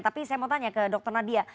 tapi saya mau tanya ke dr nadia